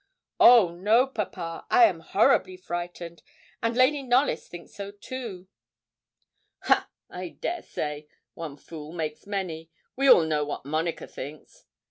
'Oh no, papa. I am horribly frightened, and Lady Knollys thinks so too.' 'Ha! I dare say; one fool makes many. We all know what Monica thinks.'